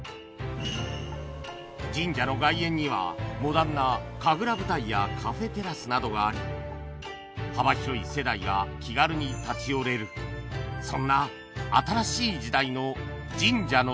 神社の外苑にはモダンなやカフェテラスなどがあり幅広い世代が気軽に立ち寄れるそんな新しい時代の神社の姿が